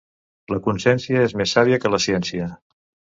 La consciència és més sàvia que la ciència.